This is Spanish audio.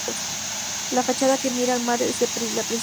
La fachada que mira al mar es la principal.